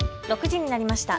６時になりました。